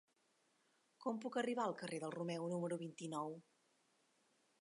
Com puc arribar al carrer del Romeu número vint-i-nou?